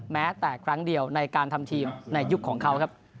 แม้แต่ครั้งเดียวในการทำทีมในยุคของเขาครับ